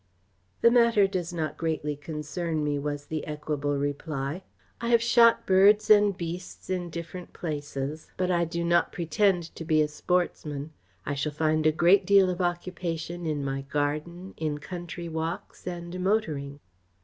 "The matter does not greatly concern me," was the equable reply. "I have shot birds and beasts in different places, but I do not pretend to be a sportsman. I shall find a great deal of occupation in my garden, in country walks and motoring."